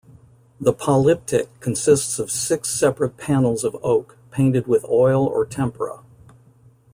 This polyptych consists of six separate panels of oak painted with oil or tempera.